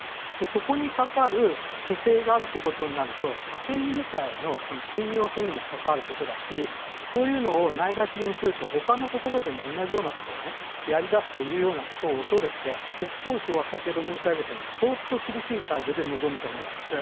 そこにかかる不正があるということになると車検自体の信用性にも関わることだしこういうのをないがしろにするとほかのところでも同じようなことをやり出すというようなことを恐れて国交省は先ほど申し上げたように相当厳しい態度で臨むと思うんです。